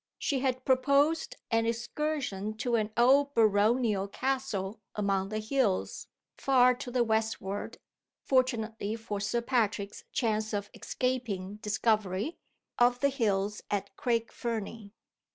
She had proposed an excursion to an old baronial castle among the hills far to the westward (fortunately for Sir Patrick's chance of escaping discovery) of the hills at Craig Fernie.